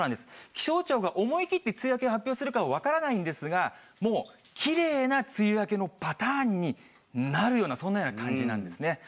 気象庁が思い切って梅雨明けを発表するか分からないんですが、もうきれいな梅雨明けのパターンになるような、そんなような感じなんですね。